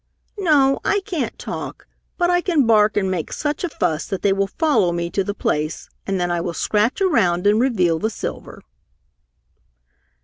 "No, I can't talk, but I can bark and make such a fuss that they will follow me to the place and then I will scratch around and reveal the silver."